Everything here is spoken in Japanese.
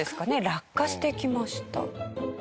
落下してきました。